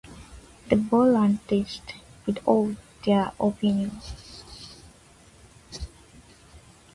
The Bollandists withhold their opinion.